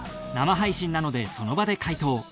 生配信なのでその場で回答。